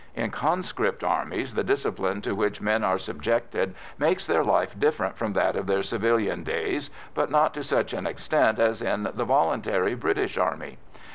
In conscript armies the discipline to which men are subjected makes their life different from that of their civilian days, but not to such an extent as in the voluntary British Army.